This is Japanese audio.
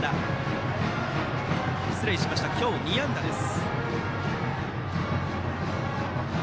今日、２安打です。